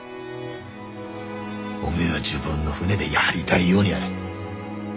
おめえは自分の船でやりだいようにやれ。